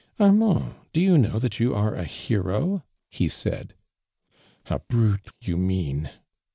'•Armand, do you know that you area horoY" he Haid. " A brute, you mean